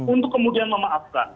untuk kemudian memaafkan